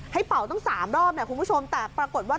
ให้เป่าต้อง๓รอบแต่ปรากฏว่า